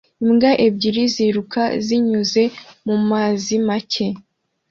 Imbwa ebyiri ziruka zinyuze mumazi make